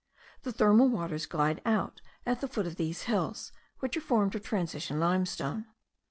The thermal waters glide out at the foot of these hills, which are formed of transition limestone.